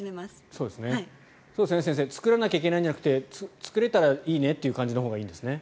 そうですね、先生作らなきゃいけないんじゃなくて作れたらいいねという感じのほうがいいんですね。